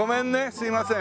すいません